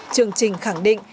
chương trình khẳng định